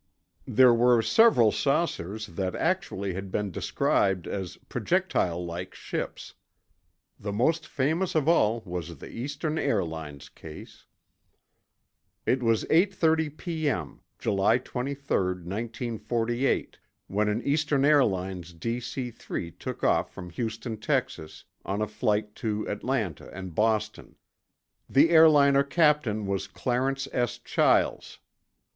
There were several saucers that actually had been described as projectile like ships. The most famous of all was the Eastern Airlines case. It was 8:30 P.M., July 23, 1948, when an Eastern Airlines DC 3 took off from Houston, Texas, on a flight to Atlanta and Boston. The airliner captain was Clarence S. Chiles.